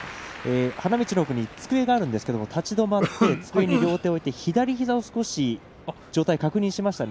花道の奥に机があるんですが立ち止まって両手を添えて左膝を確認しました。